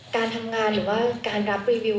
การทำงานหรือว่าการรับรีวิว